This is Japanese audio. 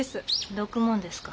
どくもんですか。